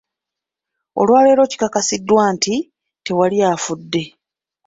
Olwaleero kikakasiddwa nti, tewali afudde.